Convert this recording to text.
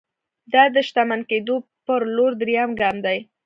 دا د شتمن کېدو پر لور درېيم ګام دی.